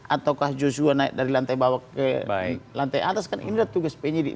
ataukah yosua naik dari lantai bawah ke lantai atas kan ini adalah tugas penyidik